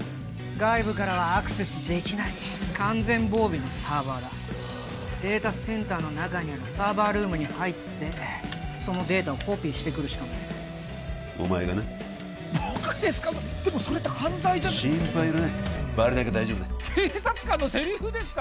外部からはアクセスできない完全防備のサーバーだデータセンターの中にあるサーバールームに入ってそのデータをコピーしてくるしかないお前がな僕ですかでもそれって犯罪じゃ心配いらないバレなきゃ大丈夫だ警察官のセリフですか！